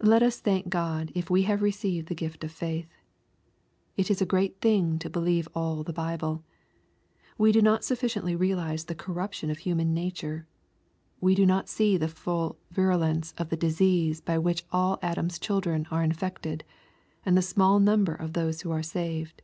Let us thank God if we have received the gift of faith. It is a great thing to believe all the Bible. We do not sufl&cientlyrealize the corruption of human nature. We do not see the full virulence of the disease by which all Adam's children are infected, and the small number of those who are saved.